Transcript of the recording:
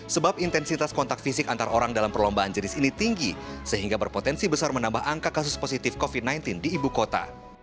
sebab intensitas kontak fisik antar orang dalam perlombaan jenis ini tinggi sehingga berpotensi besar menambah angka kasus positif covid sembilan belas di ibu kota